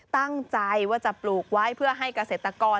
ตั้งใจว่าจะปลูกไว้เพื่อให้เกษตรกร